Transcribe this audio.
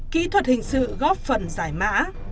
kỹ thuật hình sự góp phần giải mã